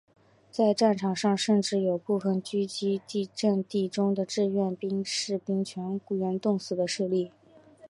在战场上甚至有部分阻击阵地中的志愿兵士兵全员冻死的事例。